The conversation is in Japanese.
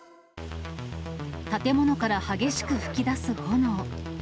建物から激しく噴き出す炎。